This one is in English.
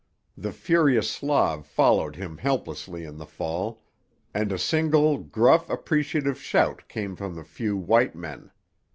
The furious Slav followed him helplessly in the fall; and a single gruff, appreciative shout came from the few "white men."